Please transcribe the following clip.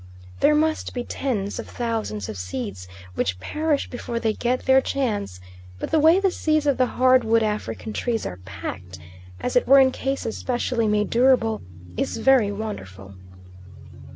There must be tens of thousands of seeds which perish before they get their chance; but the way the seeds of the hard wood African trees are packed, as it were in cases specially made durable, is very wonderful.